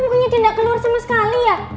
pokoknya dia gak keluar sama sekali ya